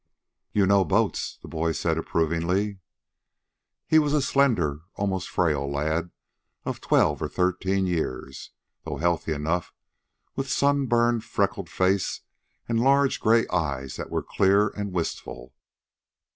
"You know boats," the boy said approvingly. He was a slender, almost frail lad, of twelve or thirteen years, though healthy enough, with sunburned freckled face and large gray eyes that were clear and wistful.